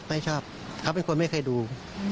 ไม่ชอบเขาเป็นคนไม่เคยดู